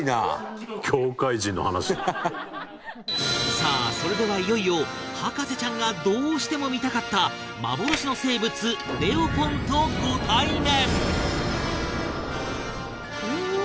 さあ、それでは、いよいよ博士ちゃんがどうしても見たかった幻の生物、レオポンとご対面！